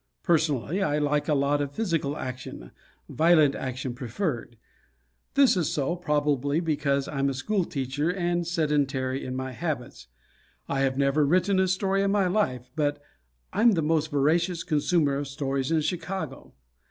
Personally, I like a lot of physical action violent action preferred. This is so, probably, because I'm a school teacher and sedentary in my habits. I have never written a story in my life, but I'm the most voracious consumer of stories in Chicago.